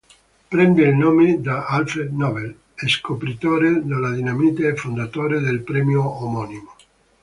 Prende il nome da Alfred Nobel, scopritore della dinamite e fondatore del premio omonimo.